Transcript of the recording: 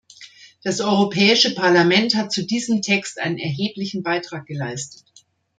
Das Europäische Parlament hat zu diesem Text einen erheblichen Beitrag geleistet.